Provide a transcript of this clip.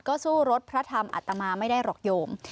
ก็สู้รสพระธรรมอัตมาไม่ได้หรอกโยม